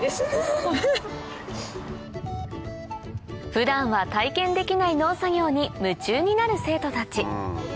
普段は体験できない農作業に夢中になる生徒たち